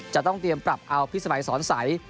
จะต้องเตรียมปรับเอาพิสมัยสอนใส